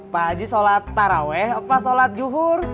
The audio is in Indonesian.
pak haji sholat taraweh pas sholat juhur